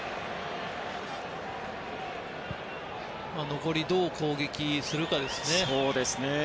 残りどう攻撃するかですね。